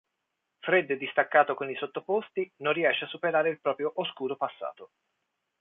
Freddo e distaccato con i sottoposti, non riesce a superare il proprio oscuro passato.